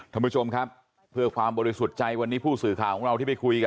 ท่านผู้ชมครับเพื่อความบริสุทธิ์ใจวันนี้ผู้สื่อข่าวของเราที่ไปคุยกัน